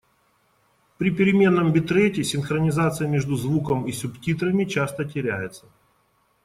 При переменном битрейте синхронизация между звуком и субтитрами часто теряется.